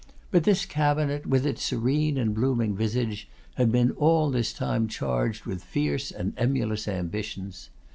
But this cabinet, with its serene and blooming visage, had been all this time charged with fierce and emulous ambitions.